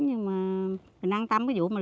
nhưng mà mình an tâm cái vụ mà lúa